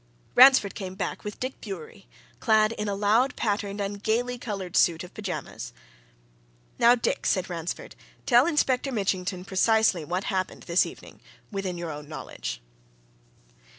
Ransford came back with Dick Bewery, clad in a loud patterned and gaily coloured suit of pyjamas. "Now, Dick," said Ransford. "Tell Inspector Mitchington precisely what happened this evening, within your own knowledge."